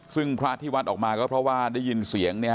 ซึ่งพระที่วัดออกมาก็เพราะว่าได้ยินเสียง